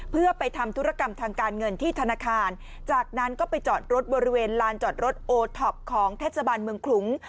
เพื่อไปทำธุรกรรมทางการเงินที่ธนาคารจากนั้นก็ไปจอดรถบริเวณลานจอดรถโอท็อปของเทศบาลเมืองคลุง